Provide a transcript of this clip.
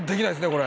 これ。